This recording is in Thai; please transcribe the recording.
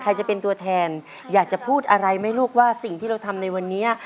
จะเป็นตัวแทนอยากจะพูดอะไรไหมลูกว่าสิ่งที่เราทำในวันนี้